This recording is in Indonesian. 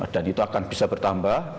dan itu akan bisa bertambah